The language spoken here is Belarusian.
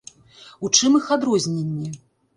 У чым іх адрозненні?